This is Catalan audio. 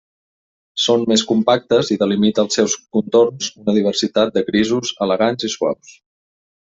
Són més compactes i delimita els seus contorns una diversitat de grisos elegants i suaus.